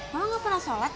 mama gak pernah sholat ya